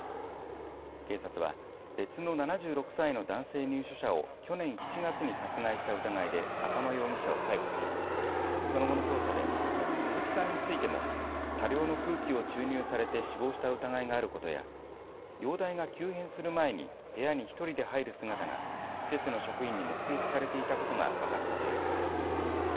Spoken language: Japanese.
警察は別の７６歳の男性入所者を去年７月に殺害した疑いで赤間容疑者を逮捕しその後の捜査で鈴木さんについても多量の空気を注入されて死亡した疑いがあることや容体が急変する前に部屋に１人で入る姿が施設の職員に目撃されていたことが分かったということです。